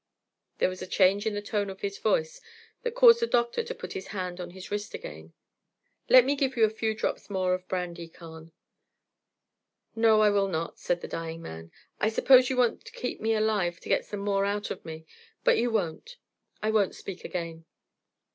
There was a change in the tone of his voice that caused the doctor to put his hand on his wrist again. "Let me give you a few drops more of brandy, Carne." "No, I will not," the dying man said. "I suppose you want to keep me alive to get some more out of me, but you won't. I won't speak again."